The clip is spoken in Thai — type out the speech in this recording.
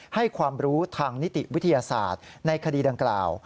ให้ความรู้ทางนิติวิทยาศาสตร์ในคดีดังกล่าว